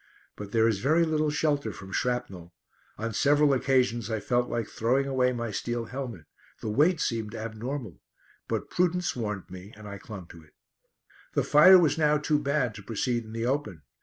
But there is very little shelter from shrapnel. On several occasions I felt like throwing away my steel helmet; the weight seemed abnormal; but prudence warned me and I clung to it. The fire was now too bad to proceed in the open.